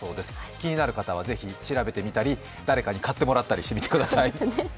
気になる方は、ぜひ調べてみたり、誰かに買ってもらったりしてみてください。